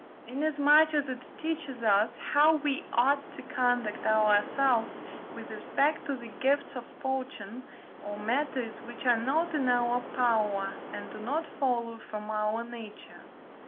Inasmuch as it teaches us, how we ought to conduct ourselves with respect to the gifts of fortune, or matters which are not in our power, and do not follow from our nature.